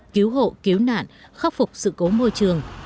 cứu hộ cứu nạn khắc phục sự cố môi trường